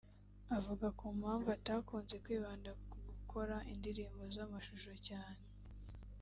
Avuga ku mpamvu atakunze kwibanda kugukora indirimbo z’amashusho cyane